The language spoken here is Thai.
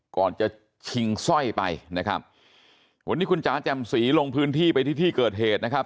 ก่อนจะชิงสร้อยไปนะครับวันนี้คุณจ๋าแจ่มสีลงพื้นที่ไปที่ที่เกิดเหตุนะครับ